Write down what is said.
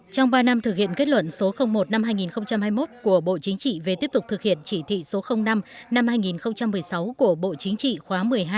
trong ba năm thực hiện kết luận số một năm hai nghìn hai mươi một của bộ chính trị về tiếp tục thực hiện chỉ thị số năm năm hai nghìn một mươi sáu của bộ chính trị khóa một mươi hai